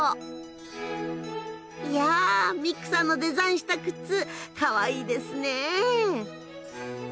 いやミックさんのデザインした靴かわいいですね。